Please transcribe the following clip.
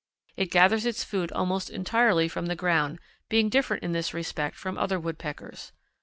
It gathers its food almost entirely from the ground, being different in this respect from other Woodpeckers.